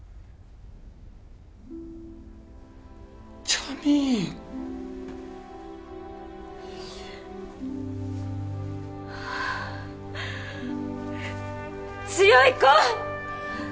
ジャミーン強い子！